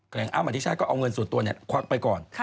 แกล่งอาหมาติชัยก็เอาเงินส่วนตัวเนี่ยความไปก่อน